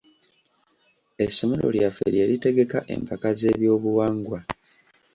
Essomero lyaffe lye litegeka empaka z'ebyobuwangwa.